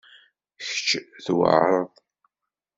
Kečč tweɛṛeḍ.